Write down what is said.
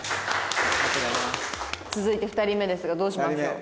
続いて２人目ですがどうしましょう？